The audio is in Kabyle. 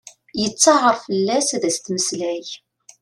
Yettaɛer fell-as ad as-temmeslay.